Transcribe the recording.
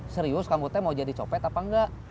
serius rambutnya mau jadi copet apa enggak